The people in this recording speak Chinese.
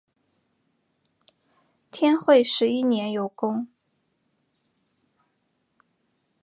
天会十一年有功。